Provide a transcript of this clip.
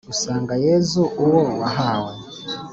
usanga yezu uwo wahawe